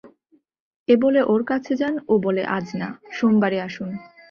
এ বলে ওর কাছে যান, ও বলে আজ না, সোমবারে আসুন।